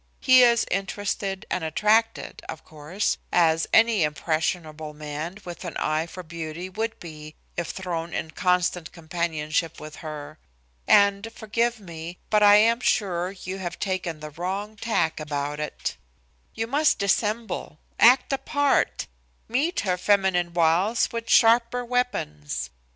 He is interested and attracted, of course, as any impressionable man with an eye for beauty would be if thrown in constant companionship with her. And, forgive me, but I am sure you have taken the wrong tack about it. "You must dissemble, act a part, meet her feminine wiles with sharper weapons.